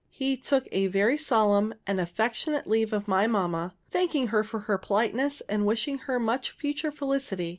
He took a very solemn and affectionate leave of my mamma, thanking her for her politeness, and wishing her much future felicity.